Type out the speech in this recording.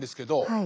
はい。